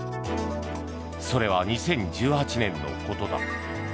それは、２０１８年のことだ。